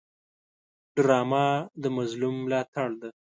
ډرامه د مظلوم ملاتړ ده